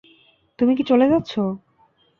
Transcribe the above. তুমি কি চলে যাচ্ছো?